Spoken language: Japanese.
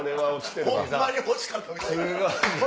ホンマに欲しかったんや。